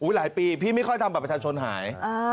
หลายปีพี่ไม่ค่อยทำบัตรประชาชนหาย